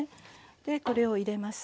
でこれを入れます。